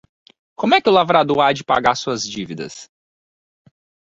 Como é que o lavrador há de pagar as suas dívidas?